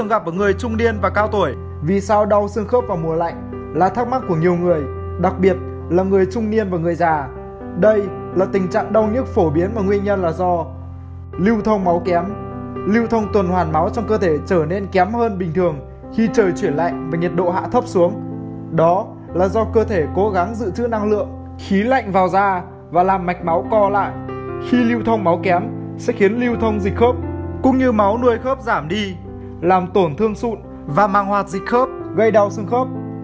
khi lưu thông máu kém sẽ khiến lưu thông dịch khớp cũng như máu nuôi khớp giảm đi làm tổn thương sụn và mang hoạt dịch khớp gây đau xương khớp